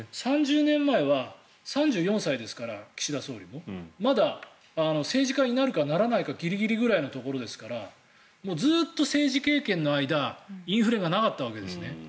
３０年前は３４歳ですから岸田総理もまだ政治家になるかならないかギリギリくらいのところですからずっと政治経験の間インフレがなかったわけですね。